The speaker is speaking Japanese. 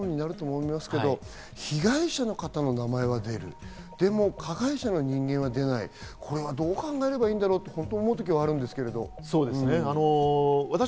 難しい議論になると思いますけど、被害者の方の名前は出る、でも加害者の人間は出ない、これはどう考えればいいんだろうと思うときがあるんですけど。